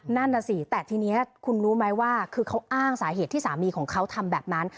นั่นน่ะสิแต่ทีนี้คุณรู้ไหมว่าคือเขาอ้างสาเหตุที่สามีของเขาทำแบบนั้น